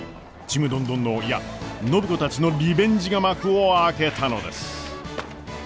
ちむどんどんのいや暢子たちのリベンジが幕を開けたのです。